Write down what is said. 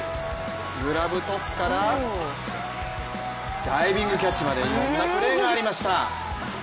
グラブトスからダイビングキャッチまでいろんなプレーがありました。